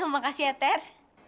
makasih ya ter